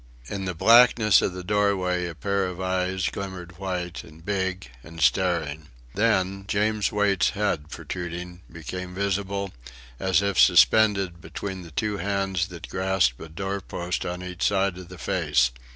In the blackness of the doorway a pair of eyes glimmered white, and big, and staring. Then James Wait's head protruding, became visible, as if suspended between the two hands that grasped a doorpost on each side of the face.